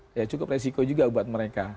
dan itu cukup resiko juga buat mereka